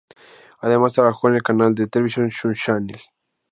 Además trabajó en el canal de televisión Sun Channel.